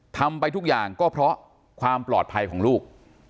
ทำไปทุกอย่างก็เพราะความปลอดภัยของลูก